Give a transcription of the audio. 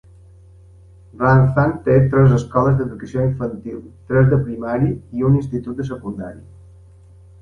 Ranzan té tres escoles d'educació infantil, tres de primària i un institut de secundària.